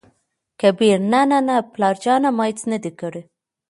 کبير : نه نه نه پلاره جانه ! ما هېڅ نه دى کړي.